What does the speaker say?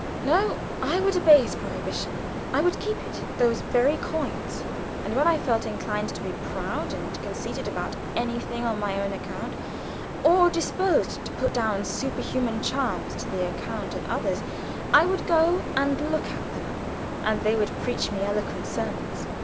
No; I would obey his prohibition. I would keep it those very coins, and when I felt inclined to be proud and conceited about anything on my own account, or disposed to put down superhuman charms to the account of others, I would go and look at them, and they would preach me eloquent sermons.